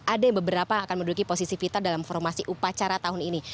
ada beberapa yang akan menduduki posisi vital dalam formasi upacara tahun ini